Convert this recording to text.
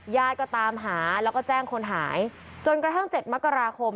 ญาติก็ตามหาแล้วก็แจ้งคนหายจนกระทั่ง๗มกราคม